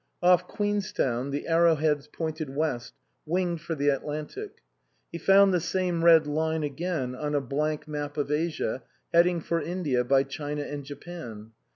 Off Queenstown the arrowheads pointed west, winged for the Atlantic. He found the same red line again on a blank map of Asia heading for India by China and Japan.